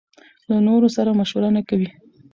له نورو سره مشوره نکوي.